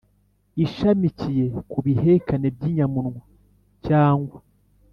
ishamikiye ku bihekane by 'inyamunwa cyangwa